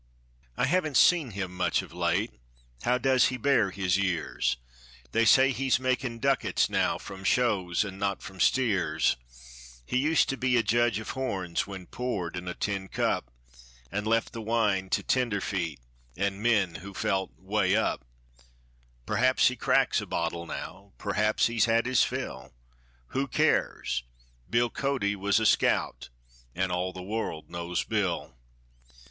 I haven't seen him much of late; how does he bear his years? They says he's making ducats now, from shows and not from "steers"; He used to be a judge of "horns," when poured in a tin cup, And left the wine to tenderfeet, and men who felt "way up"; Perhaps he cracks a bottle now, perhaps he's had his fill; Who cares, Bill Cody was a scout, and all the world knows Bill.